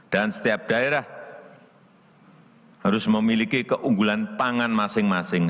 setiap daerah harus memiliki keunggulan pangan masing masing